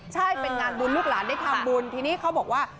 ใช่เป็นงานบุญลูกหลานได้ทำบุญทีนี้เขาบอกว่า